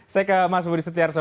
saya ke mas budi setiarso